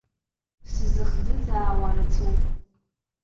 Сзыхӡыӡаауа рацәоуп.